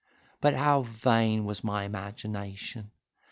But how vain was my imagination!